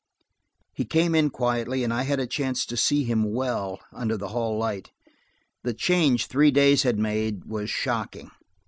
He came in quietly, and I had a chance to see him well, under the hall light; the change three days had made was shocking.